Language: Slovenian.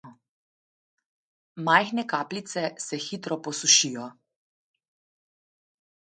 Majhne kapljice se hitro posušijo.